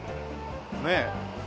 ねえ。